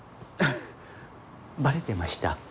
バレてました？